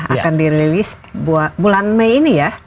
akan dirilis bulan mei ini ya